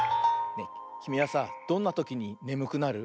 きみはさどんなときにねむくなる？